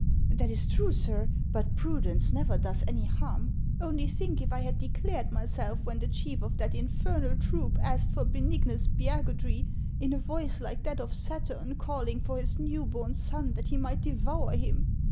" That is true, sir ; but prudence never does any harm. Only think, if I had declared myself when the chief of that infernal troop asked for Beniguus Spiagudry in a voice like that of Saturn calling for his new born son that he might devour him